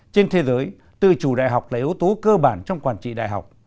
trên thế giới tự chủ đại học là yếu tố cơ bản trong quản trị đại học